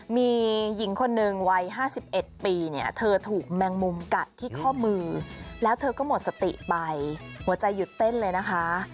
มีหญิงคนหนึ่งวัย๕๑ปีเนี่ยเธอถูกแมงมุมกัดที่ข้อมือแล้วเธอก็หมดสติไปหัวใจหยุดเต้นเลยนะคะ